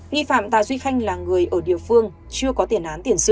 nghi phạm tà duy khanh là người ở địa phương chưa có tiền án tiền sự